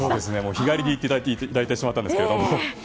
日帰りで行っていただいてしまったんですが。